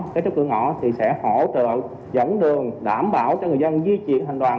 cái chốt cửa ngõ thì sẽ hỗ trợ dẫn đường đảm bảo cho người dân di chuyển hành đoàn